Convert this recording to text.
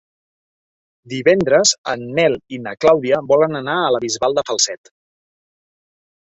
Divendres en Nel i na Clàudia volen anar a la Bisbal de Falset.